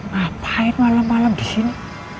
ngapain malem malem disini